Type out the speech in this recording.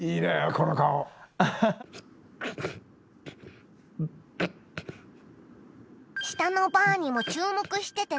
この顔「下のバーにも注目しててね」